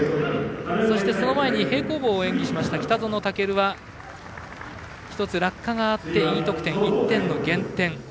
そしてその前に平行棒を演技した北園丈琉は１つ落下があってＥ得点１点減点。